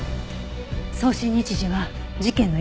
送信日時は事件の夜ね。